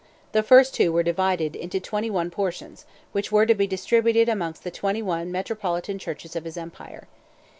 The first two were divided into twenty one portions, which were to be distributed amongst the twenty one metropolitan churches of his empire.